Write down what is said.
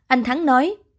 anh thắng nói